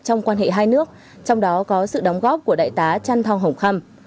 trong quan hệ hai nước trong đó có sự đóng góp của đại tá trăn thong hồng khăm